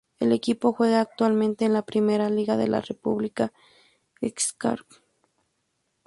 El equipo juega actualmente en la Primera Liga de la República Srpska.